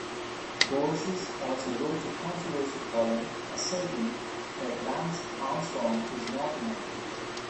Borges also wrote a controversial column asserting that Lance Armstrong is not an athlete.